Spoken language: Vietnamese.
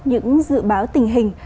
những dự báo tình hình